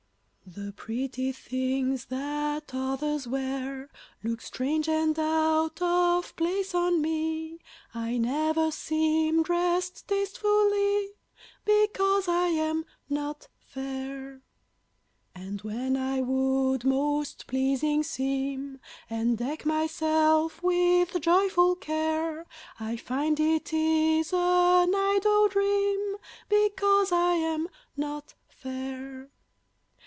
The pretty things that others wear Look strange and out of place on me, I never seem dressed tastefully, Because I am not fair; And, when I would most pleasing seem, And deck myself with joyful care, I find it is an idle dream, Because I am not fair.